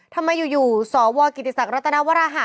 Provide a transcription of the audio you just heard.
ทำไมอยู่สวกิติศักดิรัตนวราหะ